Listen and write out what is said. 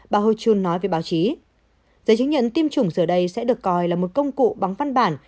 bà hochul nói về báo chí giới chứng nhận tiêm chủng giờ đây sẽ được coi là một công cụ bắn văn bản